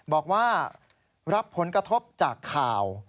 บอกว่ารับผลกระทบจากข่าว